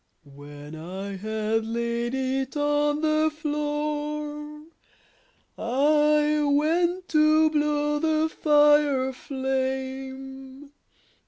When I had laid it on the floor I went to blow the fire a flame.